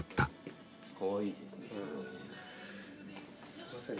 すいません